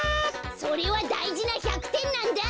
それはだいじな１００てんなんだ！